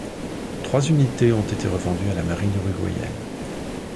Trois unités ont été revendues à la Marine uruguayenne.